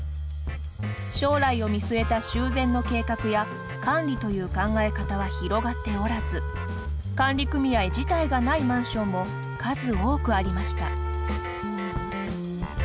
将来を見据えた修繕の計画や管理という考え方は広がっておらず管理組合自体がないマンションも数多くありました。